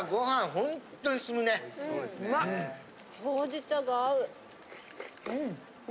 ほうじ茶が合う。